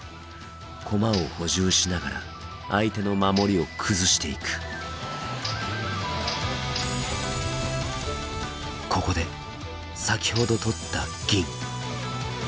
駒を補充しながら相手の守りを崩していくここで先ほど取った銀。